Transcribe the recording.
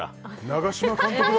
長嶋監督だ！